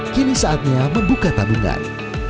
kini saatnya membuka tabungan